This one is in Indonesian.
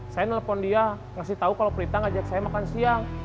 saya nelfon dia ngasih tau kalau prita ngajak saya makan siang